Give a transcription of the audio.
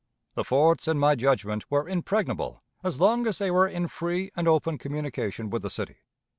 The forts, in my judgment, were impregnable as long as they were in free and open communication with the city.